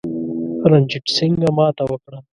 رنجیټ سینګه ماته وکړه.